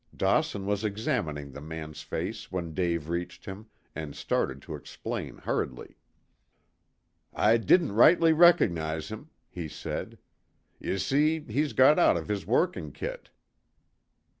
Dawson was examining the man's face when Dave reached him, and started to explain hurriedly. "I didn't rightly rec'nize him," he said. "Y'see he's got out of his workin' kit.